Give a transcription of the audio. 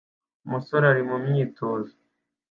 Umusore ari mu myitozo